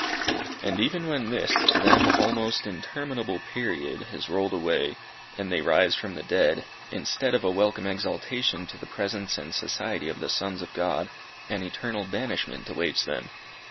And even when this, to them almost interminable, period has rolled away, and they rise from the dead, instead of a welcome exaltation to the presence and society of the sons of God, an eternal banishment awaits them.